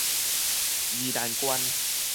宜蘭縣